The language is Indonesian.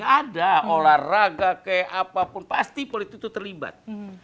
ada olahraga kayak apapun pasti politik itu terlibat